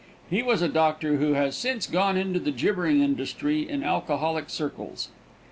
He was a doctor who has since gone into the gibbering industry in alcoholic circles.